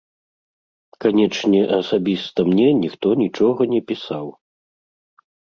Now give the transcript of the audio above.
Канечне, асабіста мне ніхто нічога не пісаў.